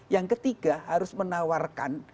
yang ketiga harus menawarkan